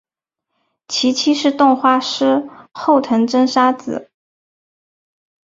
其妻是动画师后藤真砂子。